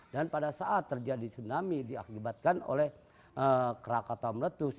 dan pada saat terjadi tsunami diakibatkan oleh krakatau meletus